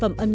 em nhớ nhớ